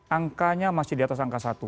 angkanya masih di atas angka satu